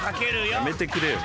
やめてくれよ。